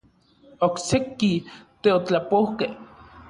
Okseki teotlapoukej.